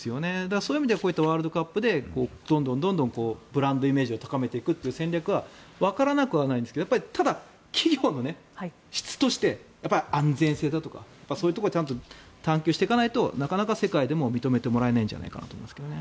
そういう意味ではこういったワールドカップでどんどんブランドイメージを高めていくという戦略はわからなくはないですがただ、企業の質としてやっぱり安全性だとかそういうところを探求していかないとなかなか世界でも認めてもらえないんじゃないかと思いますけどね。